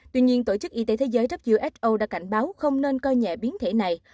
tuy nhiên tổ chức y tế thế giới who đã cảnh báo không nên coi nhẹ biến thể này